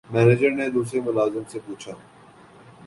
manager نے دوسرے ملازم سے پوچھا